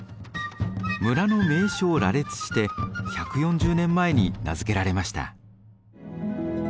村の名所を羅列して１４０年前に名付けられました。